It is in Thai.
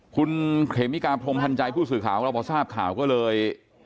คุณเขมิกาพรมพันธ์ใจผู้สื่อข่าวของเราพอทราบข่าวก็เลย